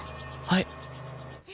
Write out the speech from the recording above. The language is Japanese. はい。